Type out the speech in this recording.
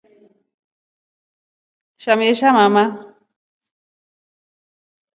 Shamesha mma.